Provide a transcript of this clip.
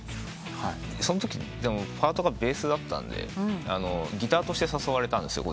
そんときパートがベースだったんでギターとして誘われたんですよ